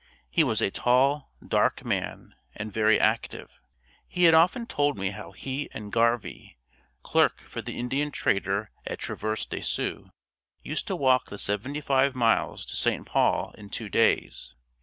He was a tall, dark man, and very active. He had often told me how he and Garvie, clerk for the Indian Trader at Traverse de Sioux used to walk the seventy five miles to St. Paul in two days.